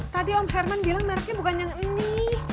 tadi om herman bilang mereknya bukan yang ini